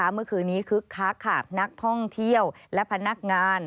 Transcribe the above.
เมื่อคืนนี้คึกคักค่ะนักท่องเที่ยวและพนักงาน